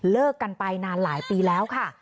เลิกกันไปนานหลายปีแล้วค่ะ